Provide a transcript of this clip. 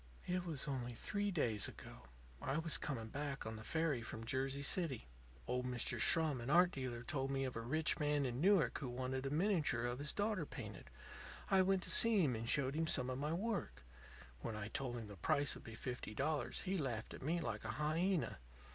"It was only three days ago. I was coming back on the ferry from Jersey City. Old Mr. Schrum, an art dealer, told me of a rich man in Newark who wanted a miniature of his daughter painted. I went to see him and showed him some of my work. When I told him the price would be fifty dollars he laughed at me like a hyena.